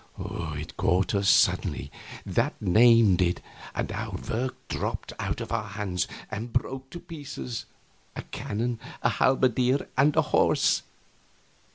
It caught us suddenly, that name did, and our work dropped out of our hands and broke to pieces a cannon, a halberdier, and a horse.